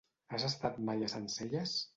Has estat mai a Sencelles?